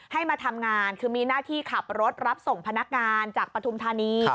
ให้มาทำงานคือมีหน้าที่ขับรถรับส่งพนักงานจากปฐุมธานี